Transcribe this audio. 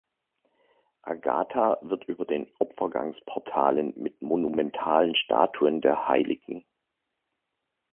Agatha wird über den Opfergangsportalen mit monumentalen Statuen der hll.